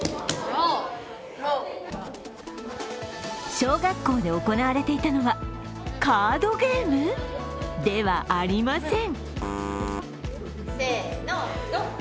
小学校で行われていたのはカードゲームではありません。